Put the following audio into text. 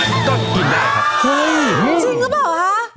เฮ้ยจริงหรือเปล่าฮะ